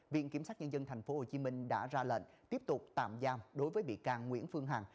viện kiểm sát nhân dân tp hcm đã ra lệnh tiếp tục tạm giam đối với bị can nguyễn phương hằng